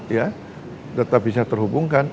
ya data bisa terhubungkan